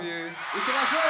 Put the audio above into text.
いきましょう！